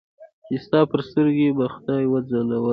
چې ستا په سترګو کې به خدای وځلوله لاره